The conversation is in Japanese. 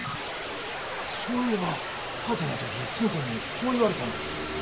そういえばパーティーの時先生にこう言われたんです。